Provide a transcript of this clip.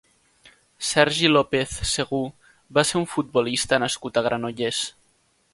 Sergi López Segú va ser un futbolista nascut a Granollers.